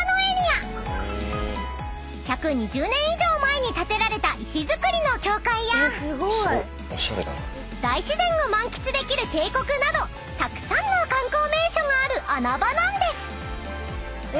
［１２０年以上前に建てられた石造りの教会や大自然を満喫できる渓谷などたくさんの観光名所がある］